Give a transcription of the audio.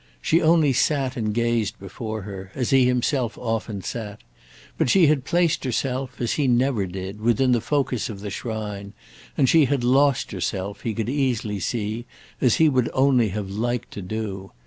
She only sat and gazed before her, as he himself often sat; but she had placed herself, as he never did, within the focus of the shrine, and she had lost herself, he could easily see, as he would only have liked to do.